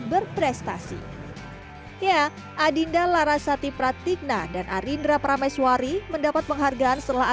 berprestasi ya adinda larasati pratikna dan arindra prameswari mendapat penghargaan setelah